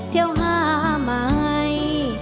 เที่ยวห้ามัย